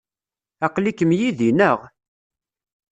Aql-ikem yid-i, naɣ?